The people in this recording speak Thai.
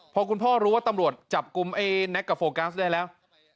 พอคุณพ่อรู้ว่าตำรวจจับกลุ่มไอ้แน็กกับโฟกัสได้แล้ว